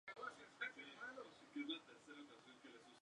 Tras ello, fue contratado por la Lazio.